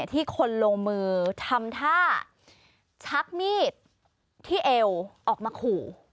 ที่คนลงมือทำท่าชักมีดที่เอวออกมาขู่